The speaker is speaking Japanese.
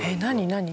何？